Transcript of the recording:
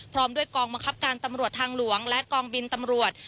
พร้อมด้วยกองบังคับการตำรวจทางหลวงและกองบินตำรวจ